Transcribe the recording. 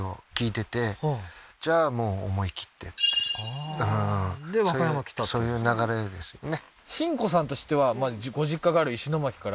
あーで和歌山来たそういう流れですよね